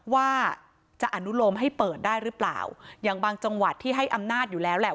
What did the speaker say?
ว่าจะอนุโลมให้เปิดได้หรือเปล่าอย่างบางจังหวัดที่ให้อำนาจอยู่แล้วแหละ